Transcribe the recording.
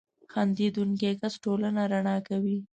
• خندېدونکی کس ټولنه رڼا کوي.